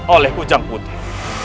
oleh hujan putih